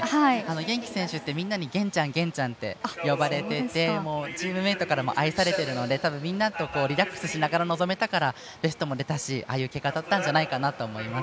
元希選手ってみんなにげんちゃんって呼ばれていてチームメートからも愛されてるのでリラックスしながら臨めたから、ベストが出たしああいう結果だったんじゃないかなと思います。